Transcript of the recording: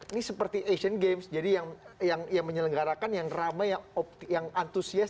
ini seperti asian games jadi yang menyelenggarakan yang ramai yang antusias